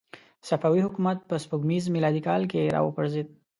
صفوي حکومت په سپوږمیز میلادي کال کې را وپرځېد.